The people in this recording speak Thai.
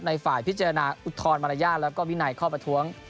ฝ่ายพิจารณาอุทธรณมารยาทแล้วก็วินัยข้อประท้วง